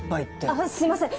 あっすいません